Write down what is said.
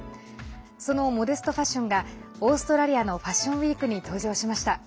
そのモデストファッションがオーストラリアのファッションウイークに登場しました。